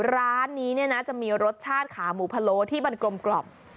ร้านนี้จะมีรสชาติขาหมูพะโล้ที่มันกลมกล่อม